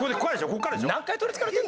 ここからでしょ？